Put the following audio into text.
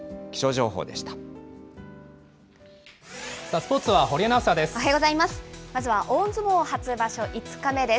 スポーツは堀アナウンサーです。